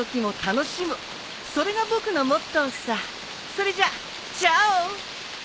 それじゃチャオ！